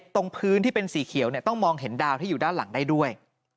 ตรงพื้นที่เป็นสีเขียวต้องมองเห็นดาวที่อยู่ด้านหลังได้ด้วย